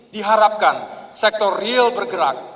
diharapkan sektor real bergerak